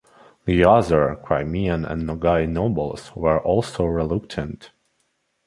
The other Crimean and Nogai nobles were also reluctant.